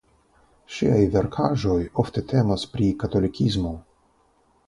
Ŝiaj verkaĵoj ofte temas pri katolikismo.